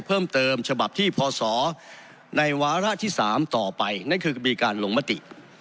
เพิ่มเติมฉบับที่พศในวาระที่๓ต่อไปนั่นคือมีการลงมติ